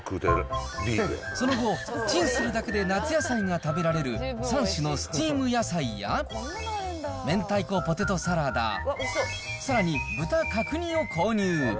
その後、チンするだけで夏野菜が食べられる３種のスチーム野菜や明太子ポテトサラダ、さらに豚角煮を購入。